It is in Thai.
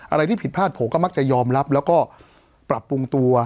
อะไรที่ผิดพลาดผมก็มักจะยอมรับแล้วก็ปรับปรุงตัว